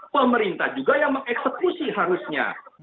pemerintah juga yang mengeksekusi harusnya